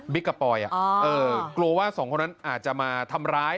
กับปอยกลัวว่าสองคนนั้นอาจจะมาทำร้าย